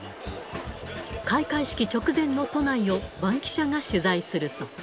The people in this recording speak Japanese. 開会式直前の都内をバンキシャが取材すると。